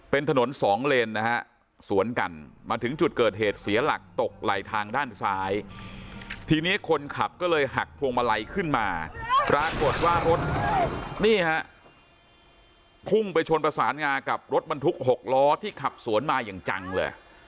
ปรากฏว่ารถนี่ฮะพุ่งไปชนประสานงากับรถบรรทุก๖ล้อที่ขับสวนมาอย่างจังเลย